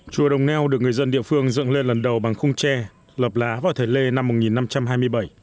chùa đồng neo được người dân địa phương dựng lên lần đầu bằng khung tre lập lá vào thời lê năm một nghìn năm trăm hai mươi bảy